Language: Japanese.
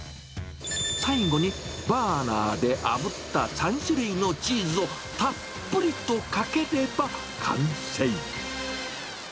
最後にバーナーであぶった３種類のチーズをたっぷりとかければ完成。